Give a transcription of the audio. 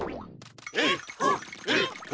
えっほえっほ